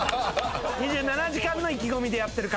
『２７時間』の意気込みでやってる感じを。